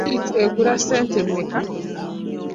Kit egula ssente mmeka?